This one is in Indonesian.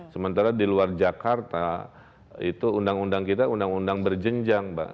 sementara di luar jakarta itu undang undang kita undang undang berjenjang mbak